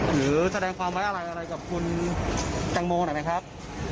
หรือแสดงความไว้อะไรอะไรกับคุณแตงโมหน่อยไหมครับ